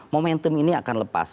momentum ini akan lepas